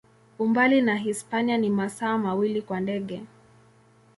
Umbali na Hispania ni masaa mawili kwa ndege.